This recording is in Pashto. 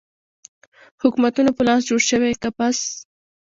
حکومتونو په لاس جوړ شوی قفس